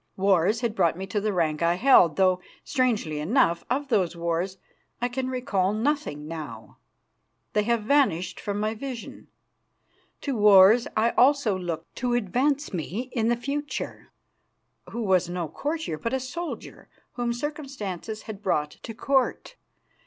Wars had brought me to the rank I held, though, strangely enough, of those wars I can recall nothing now; they have vanished from my vision. To wars also I looked to advance me in the future, who was no courtier, but a soldier, whom circumstances had brought to Court.